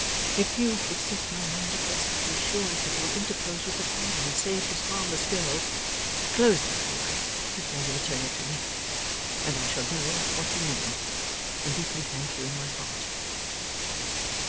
If you would set my mind at rest with the assurance that you will interpose with the father and save this harmless girl, close that book before you return it to me, and I shall know what you mean, and deeply thank you in my heart.